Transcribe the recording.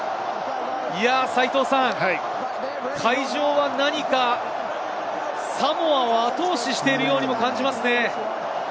会場は何かサモアを後押ししているようにも感じますね。